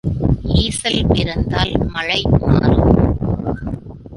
ஈசல் பிறந்தால் மழை மாறும்.